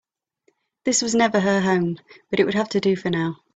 This was never her home, but it would have to do for now.